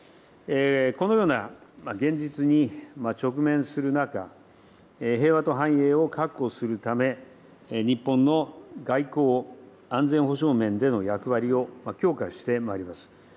このような現実に直面する中、平和と繁栄を確保するため、日本の外交安全保障面での役割を強化してまいります。